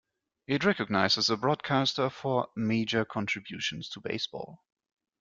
It recognizes a broadcaster for "major contributions to baseball".